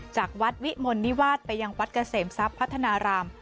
จากวัดวิมลนิวาสไปยังวัดเกษมทรัพย์พัฒนาราม